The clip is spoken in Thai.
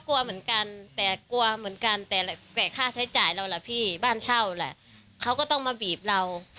กลัวเหมือนกันแต่กลัวเหมือนกันแต่ค่าใช้จ่ายเราล่ะพี่บ้านเช่าแหละเขาก็ต้องมาบีบเรา